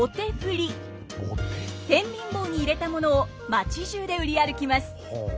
天秤棒に入れたものを町じゅうで売り歩きます！